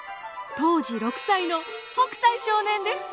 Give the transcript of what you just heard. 当時６歳の北斎少年です。